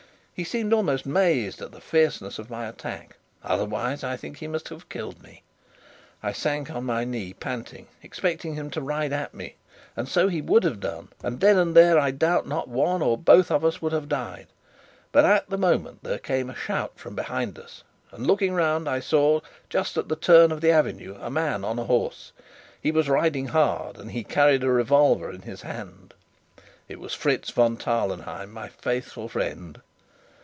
He seemed almost dazed at the fierceness of my attack; otherwise I think he must have killed me. I sank on my knee panting, expecting him to ride at me. And so he would have done, and then and there, I doubt not, one or both of us would have died; but at the moment there came a shout from behind us, and, looking round, I saw, just at the turn of the avenue, a man on a horse. He was riding hard, and he carried a revolver in his hand. It was Fritz von Tarlenheim, my faithful friend.